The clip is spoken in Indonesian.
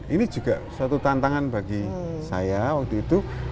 ini juga suatu tantangan bagi saya waktu itu